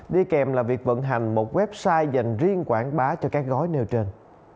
đi kèm là việc vận hành một website dành riêng quảng bá cho các gói nêu trên